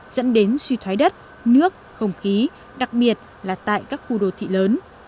dẫn đến suy thoái đất nước không khí đặc biệt là tại các khu đô thị lớn